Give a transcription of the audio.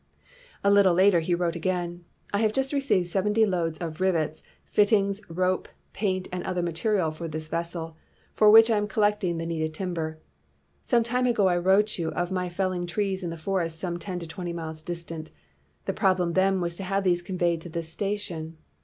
A little later he wrote again: "I have just received seventy loads of rivets, fit tings, rope, paint, and other material, for this vessel, for which I am collecting the needed timber. Some time ago I wrote you of my felling trees in the forest some ten to twenty miles distant. The problem then was to have these conveyed to this station.